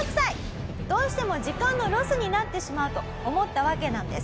どうしても時間のロスになってしまうと思ったわけなんです。